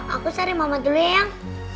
aku cari mama dulu ya ayang